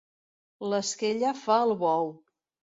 L'esquella fa el bou.